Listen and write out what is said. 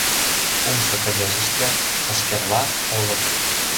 Кумшо кыдежыште — чашкерла, олык.